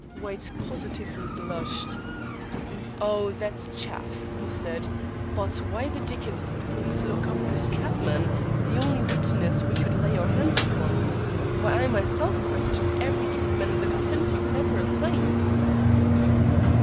White positively blushed. "Oh! that's chaff," he said. "But why the dickens did the police lock up this cabman the only witness we could lay our hands upon? Why, I myself questioned every cabman in the vicinity several times."